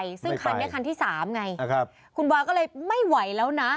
ไม่ไปซึ่งคันนี้คันที่๓ไงคุณบอลก็เลยไม่ไหวแล้วนะ